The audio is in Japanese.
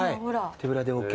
手ぶらでＯＫ。